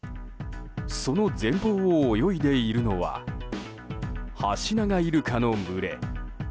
その前方を泳いでいるのはハシナガイルカの群れ。